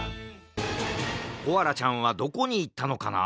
コアラちゃんはどこにいったのかな？